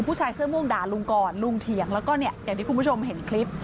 ผู้ชายเสื้อม่วงด่าลุงก่อนลุงเถียงแล้วก็เนี่ยอย่างที่คุณผู้ชมเห็นคลิป